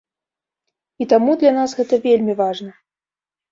І таму для нас гэта вельмі важна.